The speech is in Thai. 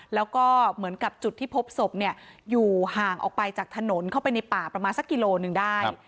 แล้วก็เหมือนกับจุดที่พบศพเนี่ยอยู่ห่างออกไปจากถนนเข้าไปในป่าประมาณสักกิโลหนึ่งได้